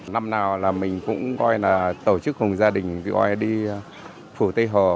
năm nào là mình cũng coi là tổ chức hùng gia đình vì oai đi phủ tây hồ